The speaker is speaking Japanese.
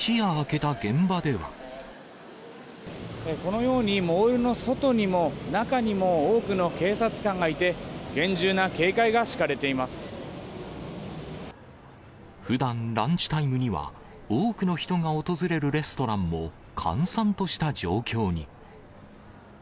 このように、モールの外にも中にも多くの警察官がいて、ふだん、ランチタイムには、多くの人が訪れるレストランも閑散とした状況に。